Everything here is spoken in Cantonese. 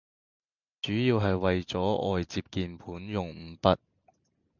主要係為咗喺外接鍵盤用五筆